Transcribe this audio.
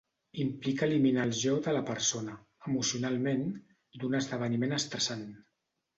Implica eliminar el jo de la persona, emocionalment, d'un esdeveniment estressant.